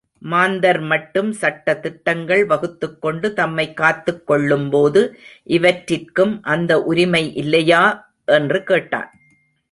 மாந்தர் மட்டும் சட்டதிட்டங்கள் வகுத்துக்கொண்டு தம்மைக் காத்துக் கொள்ளும்போது இவற்றிற்கும் அந்த உரிமை இல்லையா? என்று கேட்டான்.